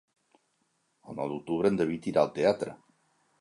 El nou d'octubre en David irà al teatre.